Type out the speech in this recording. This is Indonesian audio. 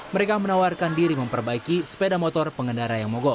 mereka menawarkan diri memperbaiki sepeda motor pengendara yang mogok